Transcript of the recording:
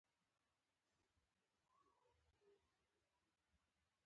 دې ودې انسان ته د زیات تولید توان ورکړ.